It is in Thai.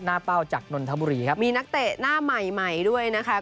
เป้าจากนนทบุรีครับมีนักเตะหน้าใหม่ใหม่ด้วยนะคะ